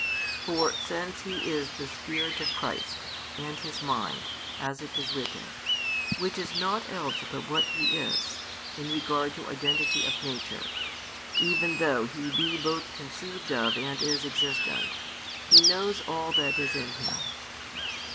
For since He is the Spirit of Christ, and His mind, as it is written, which is nought else but what He is, in regard to identity of nature, even though He be both conceived of and is existent, He knows all that is in Him.